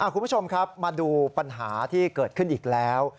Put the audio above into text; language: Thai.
คุณผู้ชมครับมาดูปัญหาที่เกิดขึ้นอีกแล้ว